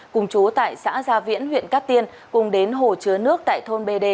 cùng chú tại xã gia viễn huyện cát tiên cùng đến hồ chứa nước tại thôn bd